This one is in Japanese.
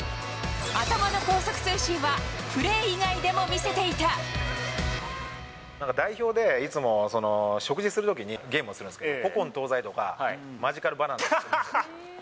頭の高速通信は、プレー以外でもなんか代表で、いつも食事するときに、ゲームをするんですけど、古今東西とか、マジカルバナナとか。